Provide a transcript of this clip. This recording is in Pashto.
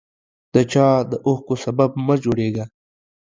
د چا د اوښکو سبب مه جوړیږه